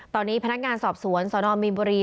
ตอนนี้พนักงานสอบสวนสนมีนบุรี